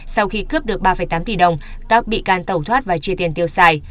sau khi cướp được ba tám tỷ đồng các bị can tẩu thoát và trừ tiền tiêu xài